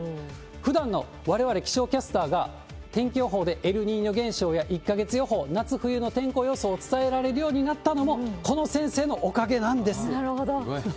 ふだんのわれわれ気象キャスターが天気予報でエルニーニョ現象や１か月予報、夏冬の天候予想を伝えられるようになったのも、この先生のおかげなるほど。